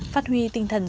phát huy tinh thần